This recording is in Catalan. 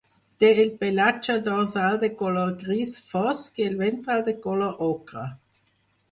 Té el pelatge dorsal de color gris fosc i el ventral de color ocre.